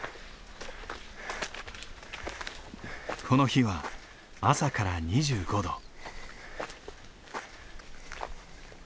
この日は朝から２５度。